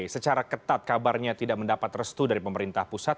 secara ketat kabarnya tidak mendapat restu dari pemerintah pusat